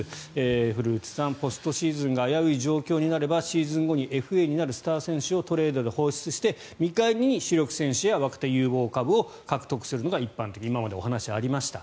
古内さん、ポストシーズンが危うい状況になればシーズン後にＦＡになるスター選手をトレードで放出して見返りに主力選手や若手有望株を獲得するのが一般的だと今までお話にありました。